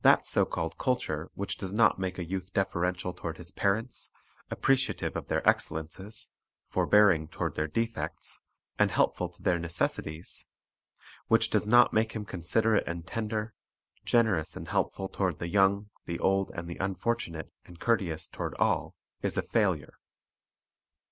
That so called culture which does not make a youth deferential toward his parents, appreciative of their excellences, forbearing toward their defects, and helpful to their necessities; which does not make him considerate and tender, generous and helpful toward the young, the old, and the unfortunate, and courteous toward all, is a failure.